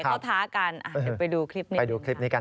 เขาท้ากันเดี๋ยวไปดูคลิปนี้กัน